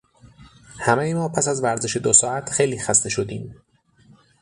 همهٔ ما پس از ورزش دو ساعت خیلی خسته شدیم.